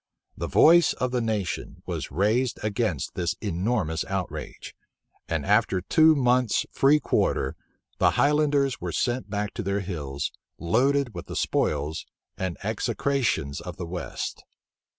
The voice of the nation was raised against this enormous outrage; and after two months' free quarter, the highlanders were sent back to their hills, loaded with the spoils and execrations of the west.